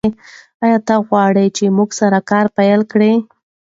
ایا ته غواړې چې موږ سره کار پیل کړې؟